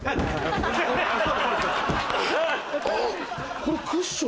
これクッション。